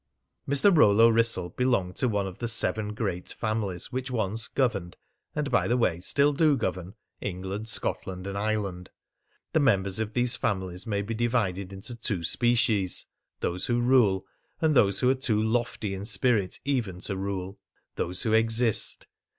Mr. Rollo Wrissell belonged to one of the seven great families which once governed and, by the way, still do govern England, Scotland, and Ireland. The members of these families may be divided into two species: those who rule, and those who are too lofty in spirit even to rule those who exist.